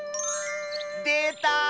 でた！